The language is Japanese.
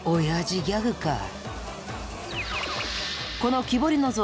この木彫りの像。